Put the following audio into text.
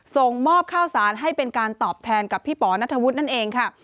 ส่งมอบข้าวสารให้เป็นการตอบแทนกับพี่ป๋อนัทธวุฒินั่นเองค่ะ